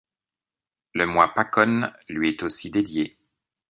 Le mois Pakhon lui est aussi dédié.